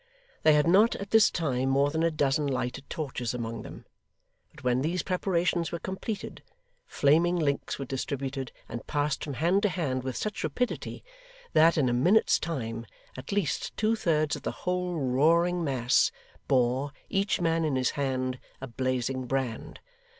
They had not at this time more than a dozen lighted torches among them; but when these preparations were completed, flaming links were distributed and passed from hand to hand with such rapidity, that, in a minute's time, at least two thirds of the whole roaring mass bore, each man in his hand, a blazing brand.